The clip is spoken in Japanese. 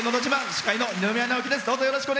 司会の二宮直輝です。